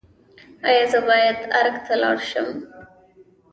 ایا زه باید ارګ ته لاړ شم؟